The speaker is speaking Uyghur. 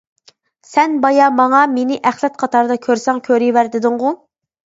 سەن بايا ماڭا مېنى ئەخلەت قاتارىدا كۆرسەڭ كۆرۈۋەر دېدىڭغۇ.